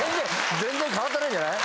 全然変わってないじゃない？